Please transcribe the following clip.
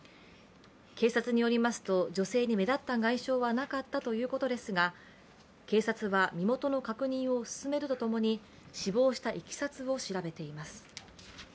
警察によりますと、女性に目立った外傷はなかったということですが警察は身元の確認を進めるとともに、死亡したいきさつを調べています。